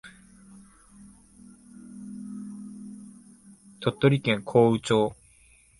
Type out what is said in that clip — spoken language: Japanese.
鳥取県江府町